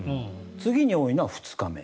次に多いのが２日目。